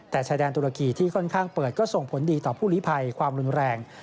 แต่ชายแดนตุรกีที่ค่อนข้างเปิดก็ส่งผลดีต่อผู้ลิภัยความรุนแรง